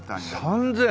３０００！？